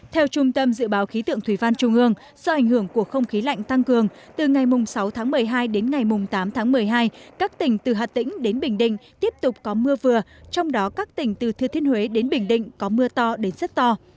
theo trung tâm dự báo khí tượng thủy văn trung ương do ảnh hưởng của không khí lạnh tăng cường từ ngày sáu tháng một mươi hai đến ngày tám tháng một mươi hai các tỉnh từ hà tĩnh đến bình định tiếp tục có mưa vừa trong đó các tỉnh từ thư thiên huế đến bình định có mưa to đến rất to